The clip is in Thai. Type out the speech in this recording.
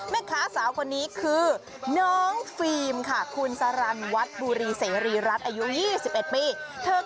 แม่ค้าสาวคนนี้คือน้องฟิล์มค่ะคุณสรรวัฒน์บุรีเสรีรัฐอายุ๒๑ปี